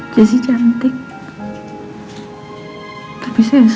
jessy cantik ya sus